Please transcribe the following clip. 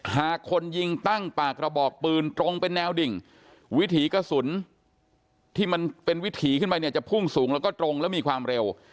หากคนยิงตั้งปากกระบอกปืนตรงเป็นแนวดิ่งวิถีกระสุนที่มันเป็นวิถีขึ้นไปเนี่ยจะพุ่งสูงแล้วก็ตรงแล้วมีความเร็ว